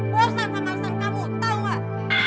bosan sama alasan kamu tau gak